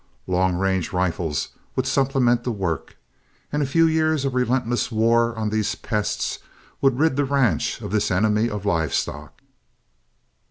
Long range rifles would supplement the work, and a few years of relentless war on these pests would rid the ranch of this enemy of live stock.